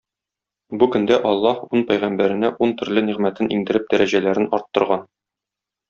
Бу көндә Аллаһ ун пәйгамбәренә ун төрле нигъмәтен иңдереп, дәрәҗәләрен арттырган.